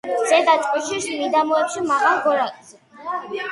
ზედა ჭყვიშის მიდამოებში, მაღალ გორაკზე.